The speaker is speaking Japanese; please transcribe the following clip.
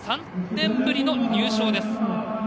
３年ぶりの入賞です。